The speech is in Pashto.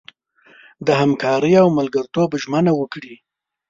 د همکارۍ او ملګرتوب ژمنه وکړي.